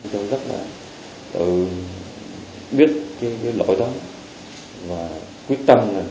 tôi rất là biết cái lỗi đó